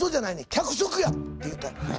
脚色や」って言うた。